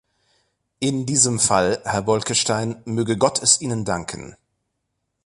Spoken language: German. In diesem Fall, Herr Bolkestein, möge Gott es Ihnen danken.